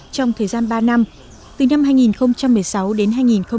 trong thời gian ba năm từ năm hai nghìn một mươi sáu đến hai nghìn một mươi tám